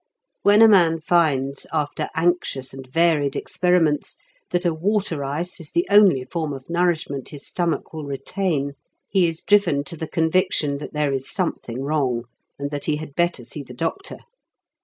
When a man finds, after anxious and varied experiments, that a water ice is the only form of nourishment his stomach will retain, he is driven to the conviction that there is something wrong, and that he had better see the doctor.